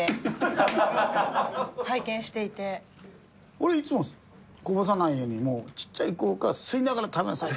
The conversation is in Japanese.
俺いつもこぼさないようにもうちっちゃい頃から吸いながら食べなさい。